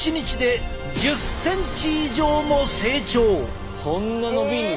なんとそんな伸びんの！？